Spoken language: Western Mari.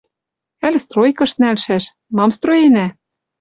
Аль стройкым нӓлшӓш. Мам строенӓ?